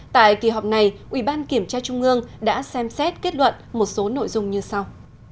tại kỳ họp này ủy ban kiểm tra trung ương đã xem xét kết luận một số nội dung như sau